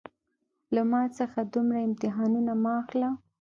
له ما څخه دومره امتحانونه مه اخله